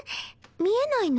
見えないの？